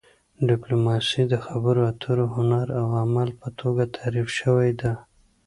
ډیپلوماسي د خبرو اترو هنر او عمل په توګه تعریف شوې ده